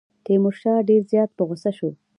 تیمورشاه ډېر زیات په غوسه شو.